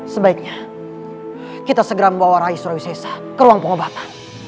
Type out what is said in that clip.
sebaiknya kita segera membawa rai surausesa ke ruang pengobatan